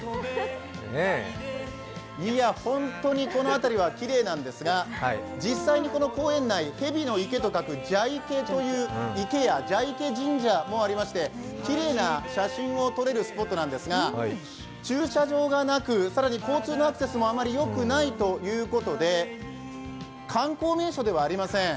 いや、本当にこの辺りはきれいなんですが、実際に、この公園内、蛇池という池や蛇池神社もありまして、きれいな写真を撮れるスポットなんですが駐車場がなく、更に交通アクセスもあまりよくないということで観光名所ではありません。